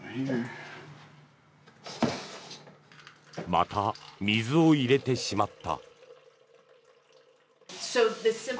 また水を入れてしまった。